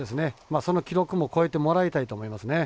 その記録も超えてもらいたいと思いますね。